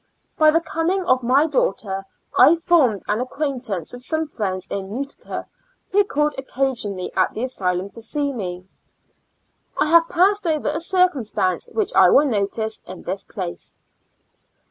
By the coming of my daughter, I formed an acquaintance with some friends in Utica, who called occasion ally at the asylum to see me. I have passed over a circumstance which I will notice in this place.